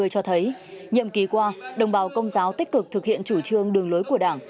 hai nghìn một mươi năm hai nghìn hai mươi cho thấy nhiệm ký qua đồng bào công giáo tích cực thực hiện chủ trương đường lối của đảng